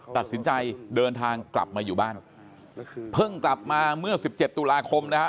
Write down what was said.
ตัดสินใจเดินทางกลับมาอยู่บ้านเพิ่งกลับมาเมื่อสิบเจ็ดตุลาคมนะฮะ